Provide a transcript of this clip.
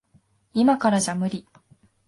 いまからじゃ無理。